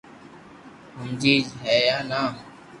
ھمجي ھي نا